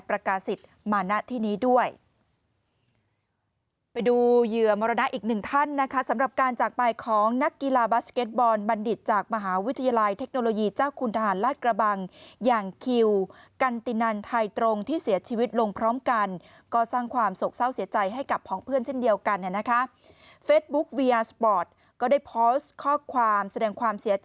ไปดูเหยื่อมรดาอีกหนึ่งท่านนะคะสำหรับการจากปลายของนักกีฬาบัสเก็ตบอลบัณฑิตจากมหาวิทยาลัยเทคโนโลยีเจ้าคุณทหารลาดกระบังอย่างคิวกันตินันไทยตรงที่เสียชีวิตลงพร้อมกันก็สร้างความสกเศร้าเสียใจให้กับของเพื่อนเช่นเดียวกันนะครับเฟซบุ๊กเวียร์สปอร์ตก็ได้โพสต์ข้อความ